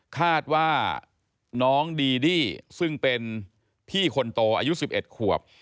คาดว่าน้องดีดี้ซึ่งเป็นพี่คนโตอายุ๑๑ขวบ